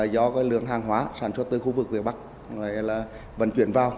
do lượng hàng hóa sản xuất từ khu vực phía bắc vận chuyển vào